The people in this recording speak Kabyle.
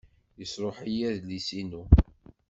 Yesṛuḥ-iyi adlis-inu.